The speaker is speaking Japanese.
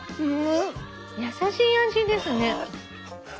優しい味ですね。